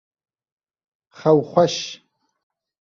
Xew xweş!